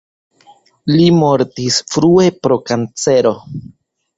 Li mortis frue pro kancero.